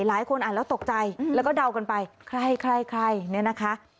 หลายคนอ่านแล้วตกใจแล้วก็เดากันไปใครใครเนี่ยนะคะ